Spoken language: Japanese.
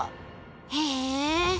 へえ。